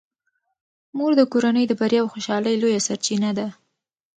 مور د کورنۍ د بریا او خوشحالۍ لویه سرچینه ده.